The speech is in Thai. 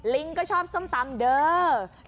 ลิงก็ชอบส้มตำเด้อ